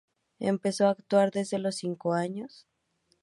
Empezó a actuar desde los cinco años.